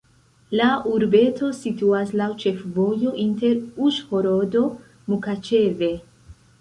La urbeto situas laŭ ĉefvojo inter Uĵhorodo-Mukaĉeve.